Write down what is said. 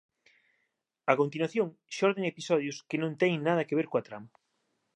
A continuación xorden episodios que non teñen nada que ver coa trama.